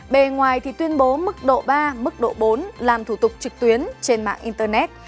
bề ngoài thì tuyên bố mức độ ba mức độ bốn làm thủ tục trực tuyến trên mạng internet